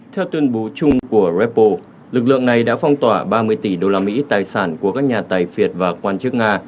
theo tuyên bố chung của repo lực lượng này đã phong tỏa ba mươi tỷ đô la mỹ tài sản của các nhà tài phiệt và quan chức nga